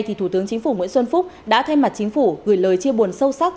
thì thủ tướng chính phủ nguyễn xuân phúc đã thay mặt chính phủ gửi lời chia buồn sâu sắc